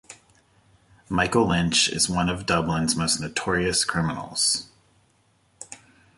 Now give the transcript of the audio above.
Michael Lynch is one of Dublin's most notorious criminals.